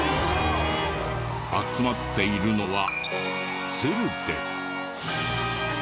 集まっているのはツルで。